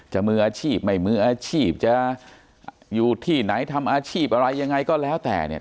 มืออาชีพไม่มืออาชีพจะอยู่ที่ไหนทำอาชีพอะไรยังไงก็แล้วแต่เนี่ย